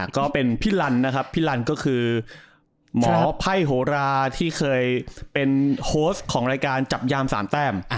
ก็เป็นพี่ลันนะครับพี่ลันก็คือหมอไพ่โหราที่เคยเป็นโค้ชของรายการจับยาม๓แต้ม